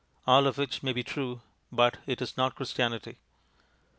All of which may be true, but it is not Christianity.